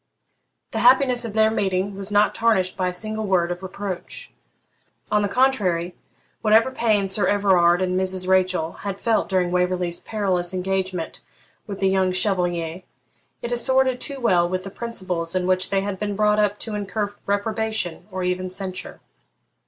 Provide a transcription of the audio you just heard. The happiness of their meeting was not tarnished by a single word of reproach. On the contrary, whatever pain Sir Everard and Mrs. Rachel had felt during Waverley's perilous engagement with the young Chevalier, it assorted too well with the principles in which they had been brought up to incur reprobation, or even censure.